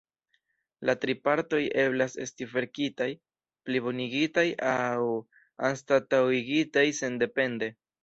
La tri partoj eblas esti verkitaj, plibonigitaj aŭ anstataŭigitaj sendepende.